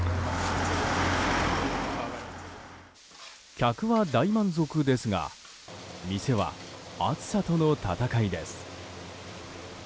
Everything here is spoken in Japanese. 客は大満足ですが店は暑さとの戦いです。